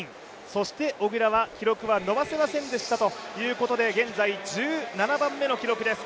そして小椋は記録は伸ばせませんでしたということで現在１７番目の記録です。